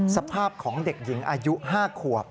สภาพของเด็กหญิงอายุ๕ขวบ